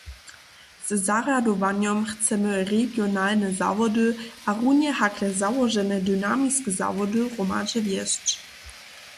Ze zarjadowanjom chcemy regionalne zawody a runje hakle załožene dynamiske zawody hromadźe wjesć.